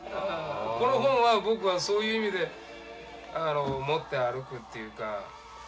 この本は僕はそういう意味で持って歩くっていうか。